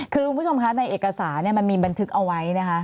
คือคุณผู้ชมคะในเอกสารมันมีบันทึกเอาไว้นะคะ